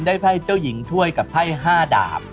ไพ่เจ้าหญิงถ้วยกับไพ่๕ดาบ